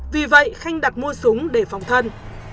vì vậy khanh đặt mua súng để phòng thân